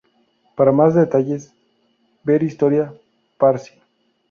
Para más detalles, ver Historia Parsi.